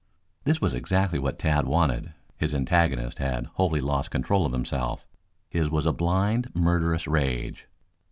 This was exactly what Tad wanted. His antagonist had wholly lost control of himself. His was a blind, murderous rage.